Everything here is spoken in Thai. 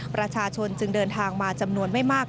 ประชาชนจึงเดินทางมาจำนวนไม่มาก